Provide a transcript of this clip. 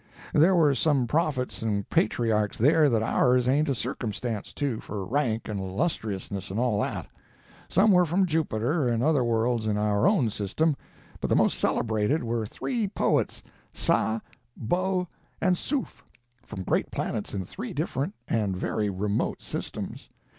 There were some prophets and patriarchs there that ours ain't a circumstance to, for rank and illustriousness and all that. Some were from Jupiter and other worlds in our own system, but the most celebrated were three poets, Saa, Bo and Soof, from great planets in three different and very remote systems.